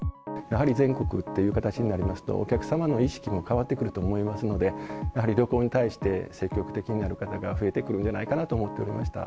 やはり全国という形になりますと、お客様の意識も変わってくると思いますので、やはり旅行に対して、積極的になる方が増えてくるんじゃないかなと思っておりました。